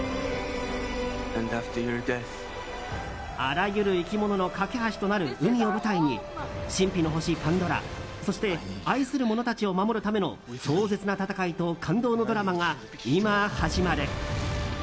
あらゆる生き物の懸け橋となる海を舞台に神秘の星パンドラそして愛する者たちを守るための壮絶な戦いと感動のドラマが今、始まる。